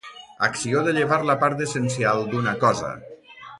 Acció de llevar la part essencial d'una cosa.